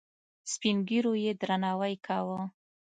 سپین ږیرو یې درناوی کاوه.